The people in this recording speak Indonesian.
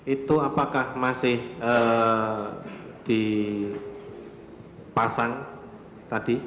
itu apakah masih dipasang tadi